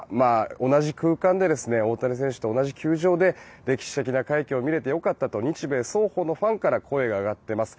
同じ空間で大谷選手と同じ球場で歴史的な快挙を見れて良かったと日米双方のファンから声が上がっています。